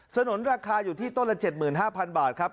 นุนราคาอยู่ที่ต้นละ๗๕๐๐บาทครับ